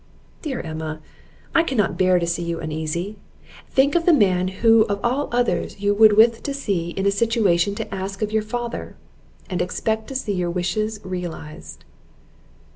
"Dear Emma, I cannot bear to see you uneasy. Think of the man who of all others you would with to see in a situation to ask you of your father, and expect to see your wishes realized."